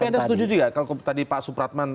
tapi anda setuju juga kalau tadi pak supratman